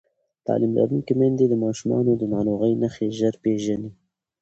تعلیم لرونکې میندې د ماشومانو د ناروغۍ نښې ژر پېژني.